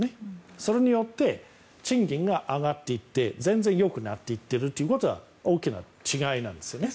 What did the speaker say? それによって賃金が上がっていって全然よくなっていっているということは大きな違いなんですね。